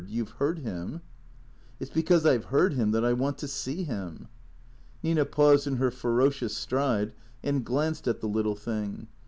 You 've heard him." " It 's because I 've heard him that I want to see him." Nina paused in her ferocious stride and glanced at the little thing.